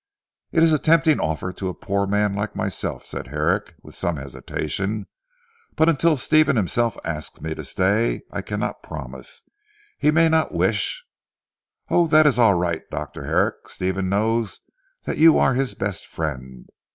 "It is a tempting offer to a poor man like myself," said Herrick with some hesitation, "but until Stephen himself asks me to stay, I cannot promise. He may not wish " "Oh, that is all right Dr. Herrick. Stephen knows that you are his best friend.